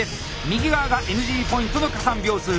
右側がＮＧポイントの加算秒数。